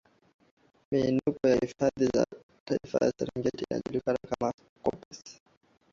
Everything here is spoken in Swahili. miinuko ya hifadhi ya taifa ya serengeti inajulikana kama koppes